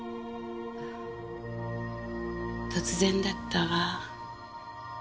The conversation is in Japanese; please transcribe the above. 突然だったわ。